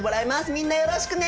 みんなよろしくね！